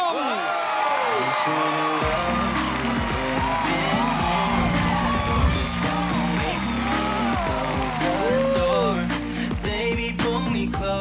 คุณโฟม